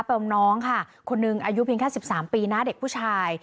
เป็นน้องค่ะคนหนึ่งอายุเพียงแค่๑๓ปีนะเด็กผู้ชาย